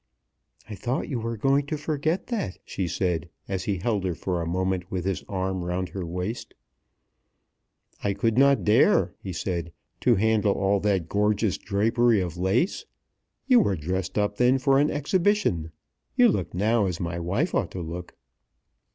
"I thought you were going to forget that," she said, as he held her for a moment with his arm round her waist. "I could not dare," he said, "to handle all that gorgeous drapery of lace. You were dressed up then for an exhibition. You look now as my wife ought to look."